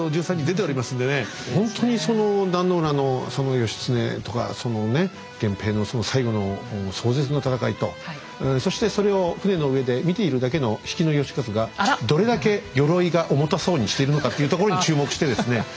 ほんとにその壇の浦の義経とかそのね源平の最後の壮絶な戦いとそしてそれを船の上で見ているだけの比企能員がどれだけ鎧が重たそうにしているのかっていうところに注目してですね